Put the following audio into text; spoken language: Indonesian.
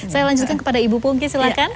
saya lanjutkan kepada ibu pungki silahkan